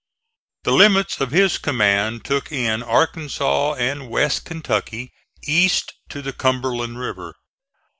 The limits of his command took in Arkansas and west Kentucky east to the Cumberland River.